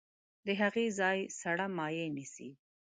د هغې ځای سړه مایع نیسي.